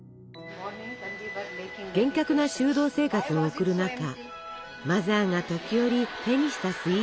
厳格な修道生活を送る中マザーが時折手にしたスイーツがありました。